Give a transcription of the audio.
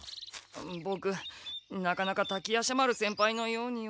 ボクなかなか滝夜叉丸先輩のようには。